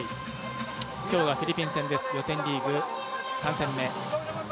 今日がフィリピン戦です、予選リーグ３戦目。